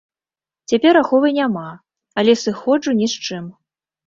Цяпер аховы няма, але сыходжу ні з чым.